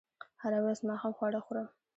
هره ورځ ماښام خواړه خورم